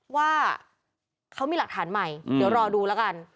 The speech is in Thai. ว่าเขามีหลักฐานใหม่เดี๋ยวรอดูแล้วกัน